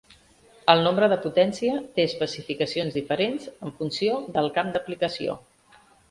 El nombre de potència té especificacions diferents en funció del camp d'aplicació.